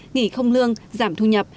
nghỉ không lương giảm thu nhập